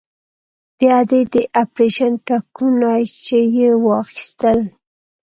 د ادې د اپرېشن ټکونه چې يې واخيستل.